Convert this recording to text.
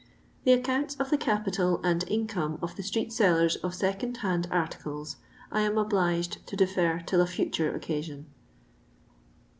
The accounts of the Capital and Income of the Street Sellers of Second Hand Articles I am obliged to defer till a future occasion.